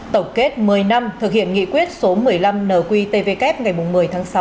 tổng kết một mươi năm thực hiện nghị quyết số một mươi năm nqtvk ngày một mươi tháng sáu năm hai nghìn một mươi hai